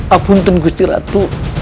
apunten gusti ratu